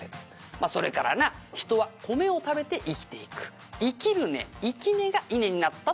「まあそれからな人は米を食べて生きていく」「生きる根“生根”が“稲”になったという説もあるな」